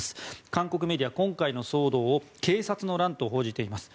韓国メディア、今回の騒動を警察の乱と報じています。